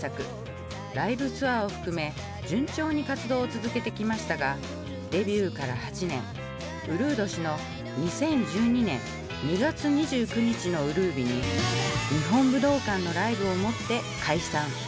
ライブツアーを含め順調に活動を続けてきましたがデビューから８年うるう年の２０１２年２月２９日のうるう日に日本武道館のライブをもって解散。